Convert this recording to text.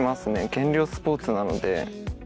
減量スポーツなので。